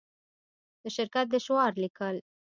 د شرکت د شعار لیکل